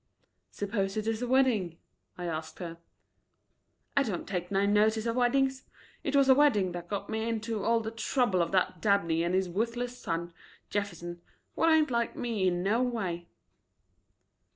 "Suppose it is a wedding?" I asked her. "I don't take no notice of weddings. It was a wedding that got me into all the trouble of that Dabney and his wuthless son, Jefferson, what ain't like me in no way."